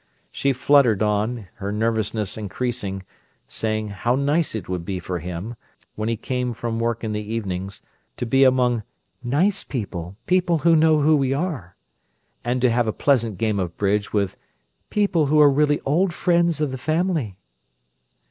She fluttered on, her nervousness increasing, saying how "nice" it would be for him, when he came from work in the evenings, to be among "nice people—people who know who we are," and to have a pleasant game of bridge with "people who are really old friends of the family?"